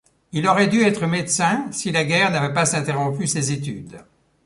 Il aurait dû être médecin si la guerre n'avait pas interrompu ses études.